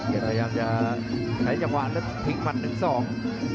พยายามจะใช้จังหวะแล้วทิ้งหมัดหนึ่งสอง